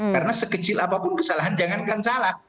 karena sekecil apapun kesalahan jangankan salah